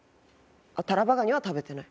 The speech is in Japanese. タラバガニは食べてない。